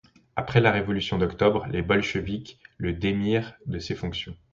Après la Révolution d'Octobre, les Bolcheviks le démirent de ses fonctions.